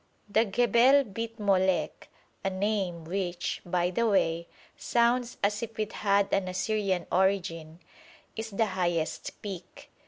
The Ghebel Bit Molek (a name which, by the way, sounds as if it had an Assyrian origin) is the highest peak.